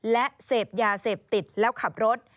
และเสพยาเสพติดแล้วขับรถ